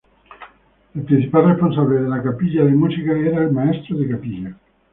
El principal responsable de la capilla de música era el maestro de capilla.